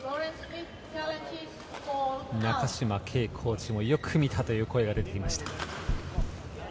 中島慶コーチもよく見たという声が出ました。